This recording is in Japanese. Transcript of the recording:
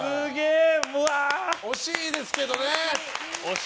惜しいですけどね。